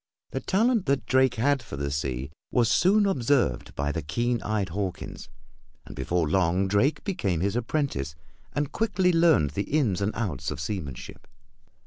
The talent that Drake had for the sea was soon observed by the keen eyed Hawkins, and before long Drake became his apprentice, and quickly learned the ins and outs of seamanship.